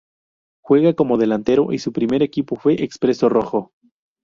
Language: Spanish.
Juega como delantero y su primer equipo fue Expreso Rojo.